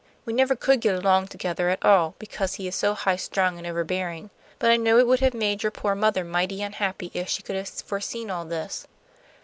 We never could get along together at all, because he is so high strung and overbearing. But I know it would have made your poor mother mighty unhappy if she could have foreseen all this."